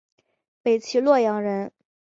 北齐洛阳人。